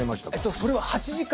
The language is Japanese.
それは８時間。